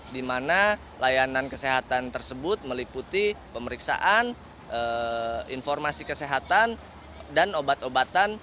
di mana layanan kesehatan tersebut meliputi pemeriksaan informasi kesehatan dan obat obatan